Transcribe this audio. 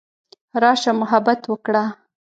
راشه محبت وکړه.